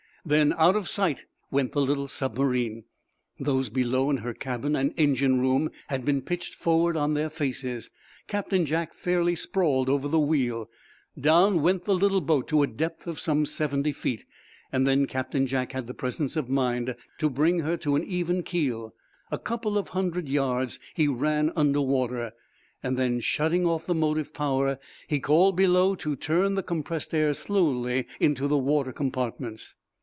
Then out of sight went the little submarine. Those below in her cabin and engine room had been pitched forward on their faces. Captain Jack fairly sprawled over the wheel. Down went the little boat to a depth of some seventy feet. Then Captain Jack had the presence of mind to bring her to an even keel. A couple of hundred yards he ran under water. Then, shutting off the motive power, he called below to turn the compressed air slowly into the water compartments.